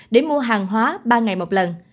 để mua hàng hóa ba ngày một lần